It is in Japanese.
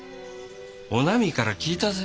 おなみから聞いたぜ。